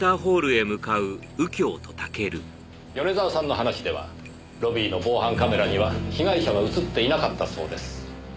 米沢さんの話ではロビーの防犯カメラには被害者は映っていなかったそうです。